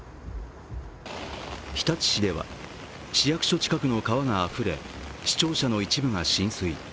日立市では、市役所近くの川があふれ市庁舎の一部が浸水。